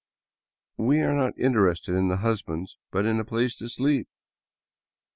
" We are not interested in the husbands, but in a place to sleep."